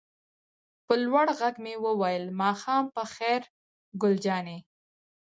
په لوړ غږ مې وویل: ماښام په خیر ګل جانې.